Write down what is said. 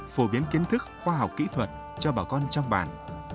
phổ biến kiến thức khoa học kỹ thuật cho bà con trong bản